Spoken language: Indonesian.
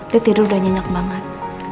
dia tidur udah nyenyak banget